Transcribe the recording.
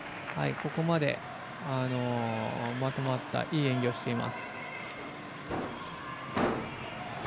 ここまでまとまったいい演技をしています。